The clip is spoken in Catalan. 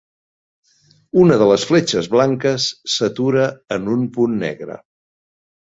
Una de les fletxes blanques s'atura en un punt negre.